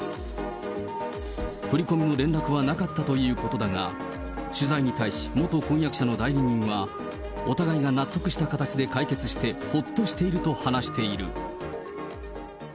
振り込みの連絡はなかったということだが、取材に対し、元婚約者の代理人は、お互いが納得した形で解決してほっとしていると話している。